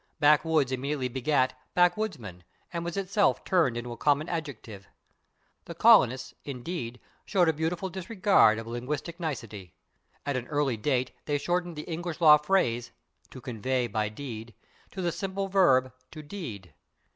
/Backwoods/ immediately begat /backwoodsman/ and was itself turned into a common adjective. The colonists, indeed, showed a beautiful disregard of linguistic nicety. At an early date they shortened the English law phrase, /to convey by deed/, to the simple verb, /to deed